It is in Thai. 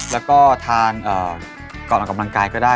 แล้วก็ทานก่อนออกกำลังกายก็ได้